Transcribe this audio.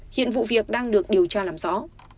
hiện vụ việc đang được điều tra làm rõ